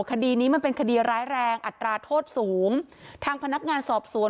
คดีนี้มันเป็นคดีร้ายแรงอัตราโทษสูงทางพนักงานสอบสวน